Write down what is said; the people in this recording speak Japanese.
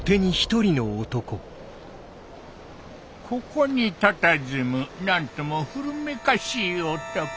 ここにたたずむなんとも古めかしい男